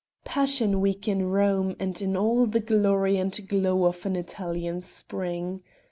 Passion week in Rome, and in all the glory and glow of an Italian spring.